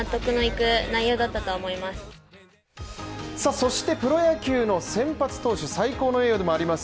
そしてプロ野球の先発投手最高の栄誉でもあります